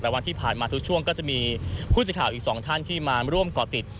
แต่วันที่ผ่านมาทุกช่วงก็จะมีผู้สื่อข่าวอีกสองท่านที่มาร่วมก่อติด